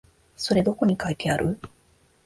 それどこに書いてある？